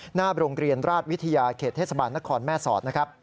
หน้าโรงเรียนราชวิทยาเขตเทศบาลนครแม่สอดนะครับ